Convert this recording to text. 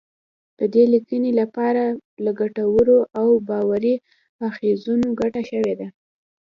د دې لیکنی لپاره له ګټورو او باوري اخځونو ګټنه شوې ده